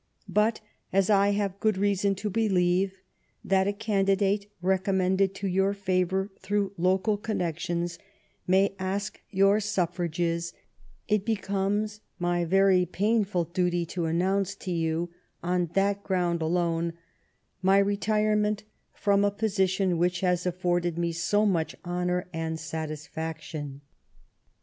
But, as I have good reason to believe that a candidate recommended to your favor through local connections may ask I08 THE STORY OF GLADSTONE'S LIFE your suffrages, it becomes my very painful duty to announce to you, on that ground alone, my retirement from a position which has afforded me so much honor and satisfaction."